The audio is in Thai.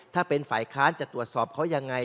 ถ้าเป็นฝ่ายค้านจะตรวจสอบเขายังไง